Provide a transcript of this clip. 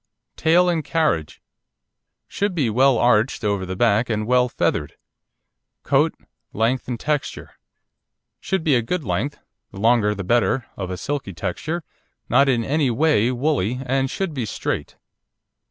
TAIL AND CARRIAGE Should be well arched over the back and well feathered. COAT, LENGTH AND TEXTURE Should be a good length, the longer the better, of a silky texture, not in any way woolly, and should be straight.